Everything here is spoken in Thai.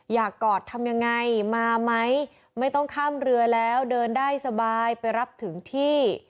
กอดทำยังไงมาไหมไม่ต้องข้ามเรือแล้วเดินได้สบายไปรับถึงที่